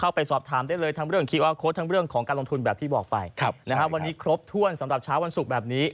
วันนี้ครบถ้วนสำหรับเช้าวันศุกร์แบบนี้